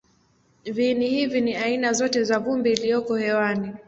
Viini hivi ni aina zote za vumbi iliyoko hewani.